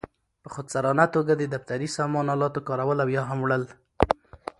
په خودسرانه توګه د دفتري سامان آلاتو کارول او یا هم وړل.